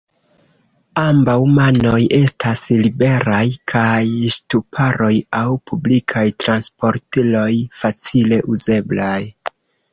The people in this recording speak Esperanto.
Ambaŭ manoj estas liberaj kaj ŝtuparoj aŭ publikaj transportiloj facile uzeblaj.